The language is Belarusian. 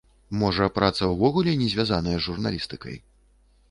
Можа, праца ўвогуле не звязаная з журналістыкай?